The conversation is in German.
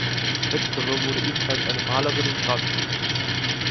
Letztere wurde ebenfalls eine Malerin und Grafikerin.